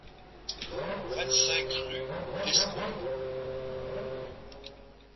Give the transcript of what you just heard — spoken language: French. vingt-cinq rue d'Escondeaux